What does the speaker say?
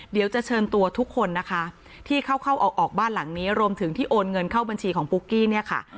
เดี๋ยวจะเชิญตัวทุกคนนะคะที่เข้าเข้าออกบ้านหลังนี้รวมถึงที่โอนเงินเข้าบัญชีของปุ๊กกี้เนี่ยค่ะ